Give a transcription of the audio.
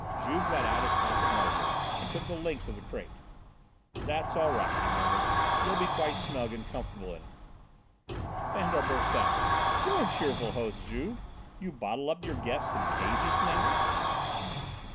Juve got out his pocket measure and took the length of the crate. "That's all right," he murmured. "You'll be quite snug and comfortable in it." Fandor burst out: "You're a cheerful host, Juve. You bottle up your guests in cages now!"